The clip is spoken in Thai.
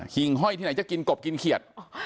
่งห้อยที่ไหนจะกินกบกินเขียด